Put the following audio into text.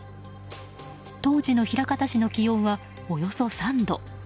当時の枚方市の気温はおよそ３度。